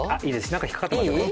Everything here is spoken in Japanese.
何か引っ掛かってますよね。